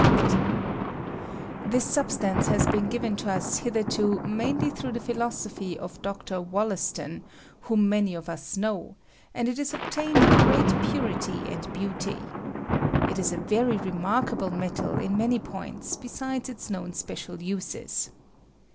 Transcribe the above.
J I METALS ASSOCIATED W3TH PLATINUM, 187 This substance has been given to us hitherto mainly through the philosophy of Dr. Wollas ton, whom many of us know, and it is obtain ed in great purity and beauty. It is a very re markable metal in many points besides its known special uses.